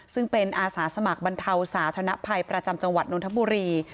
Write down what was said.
ซึ่งเป็นอาสาสมัครบรรเทาสาธนภัยประจำจังหวัดนทบุรี